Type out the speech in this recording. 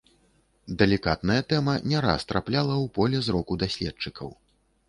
Далікатная тэма не раз трапляла і ў поле зроку даследчыкаў.